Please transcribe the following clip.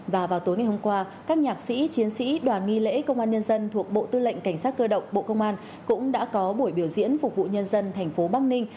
và vào tối ngày hôm qua các nhạc sĩ chiến sĩ đoàn nghi lễ công an nhân dân thuộc bộ tư lệnh cảnh sát cơ động bộ công an cũng đã có buổi biểu diễn phục vụ nhân dân thành phố bắc ninh